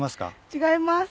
違います。